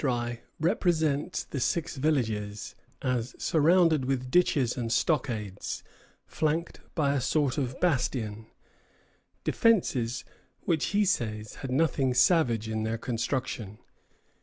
] La Vérendrye represents the six villages as surrounded with ditches and stockades, flanked by a sort of bastion, defences which, he says, had nothing savage in their construction.